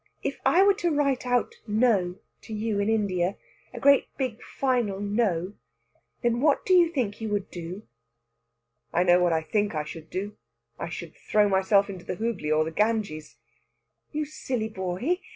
If I were to write out no to you in India a great big final NO then what do you think you would do?" "I know what I think I should do. I should throw myself into the Hooghly or the Ganges." "You silly boy!